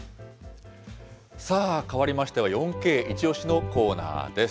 さあ、変わりましては４Ｋイチオシ！のコーナーです。